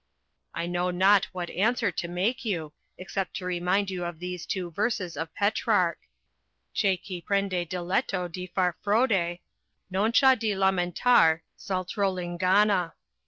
"I know not what answer to make you, except to remind you of these two verses of Petrarch:— "'Che qui prende diletto di far frode, Non s'ha di lamentar s'altro l'inganna.'